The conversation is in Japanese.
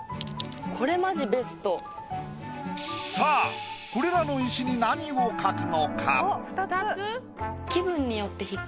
さあこれらの石に何を描くのか？